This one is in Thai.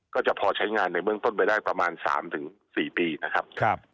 ก็จะพอใช้งานในเบื้องต้นไปได้ประมาณ๓๔ปีนะครับ